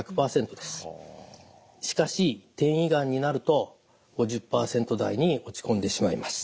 しかし転移がんになると５０％台に落ち込んでしまいます。